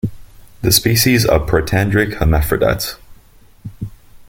The species are protandric hermaphrodites.